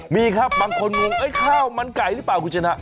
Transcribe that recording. มีครับบางคนงงข้าวมันไก่หรือเปล่าคุณชนะ